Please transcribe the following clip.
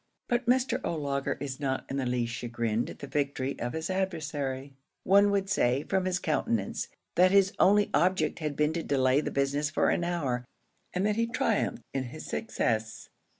But Mr. O'Laugher is not in the least chagrined at the victory of his adversary; one would say, from his countenance, that his only object had been to delay the business for an hour, and that he triumphed in his success.